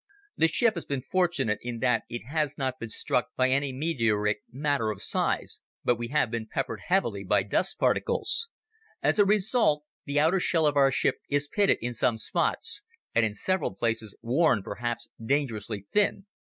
The ship has been fortunate in that it has not been struck by any meteoric matter of size, but we have been peppered heavily by dust particles. As a result, the outer shell of our ship is pitted in some spots, and in several places worn perhaps dangerously thin.